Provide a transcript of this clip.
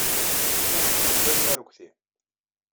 Tellam tettlebbiḍem arekti.